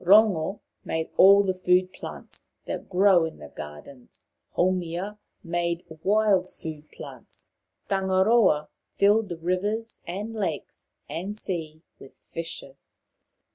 Rongo made all the food plants that grow in The Six Brothers 27 gardens ; Haumia made wild food plants ; Tan garoa filled the rivers and lakes and sea with fishes.